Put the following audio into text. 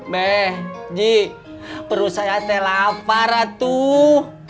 be ji perut saya lapar atuh